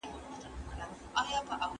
استاد باید شاګرد ته وخت ورکړي.